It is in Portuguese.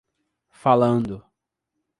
Falando!